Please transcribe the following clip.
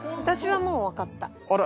私はもうわかった。